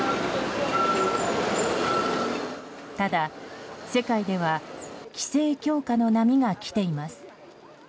ただ、世界では規制強化の波が来ています。